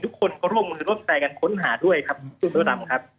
ทุกคนก็ร่วมร่วมใส่กันค้นหาด้วยครับจุธรรมครับ